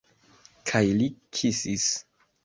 Kaj li kisis.